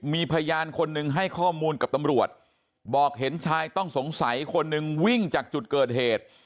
มีพยานคนหนึ่งให้ข้อมูลกับตำรวจบอกเห็นชายต้องสงสัยคนหนึ่งวิ่งจากจุดเกิดเหตุ